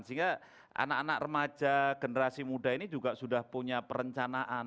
sehingga anak anak remaja generasi muda ini juga sudah punya perencanaan